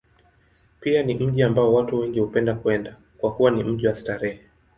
Pia ni mji ambao watu wengi hupenda kwenda, kwa kuwa ni mji wa starehe.